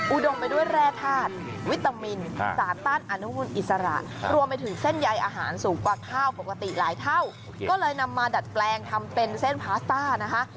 อุดมไปด้วยแร่ธาตุวิตามินสาต้านอนุมูลอิสระรวมไปถึงเส้นใยอาหารสูงกว่าข้าวปกติหลายเท่าก็เลยนำมาดัดแปลงทำเป็นเส้นพาสต้านะคะ